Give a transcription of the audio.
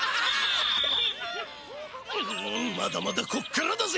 んまだまだこっからだぜ！